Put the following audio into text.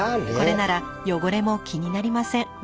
これなら汚れも気になりません。